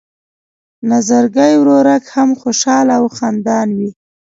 نظرګی ورورک هم خوشحاله او خندان وي.